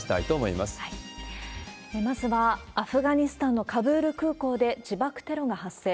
まずは、アフガニスタンのカブール空港で自爆テロが発生。